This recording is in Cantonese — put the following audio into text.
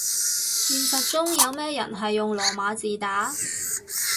現實中有咩人係用羅馬字打